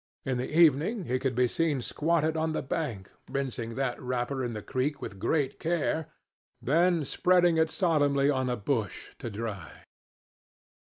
In the evening he could be seen squatted on the bank rinsing that wrapper in the creek with great care, then spreading it solemnly on a bush to dry.